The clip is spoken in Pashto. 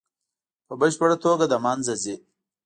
په بشپړه توګه له منځه ځي.